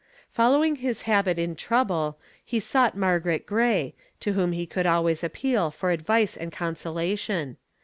Following his habit in trouble, he sought Margaret Gray, to whom he could always appeal for advice and consolation.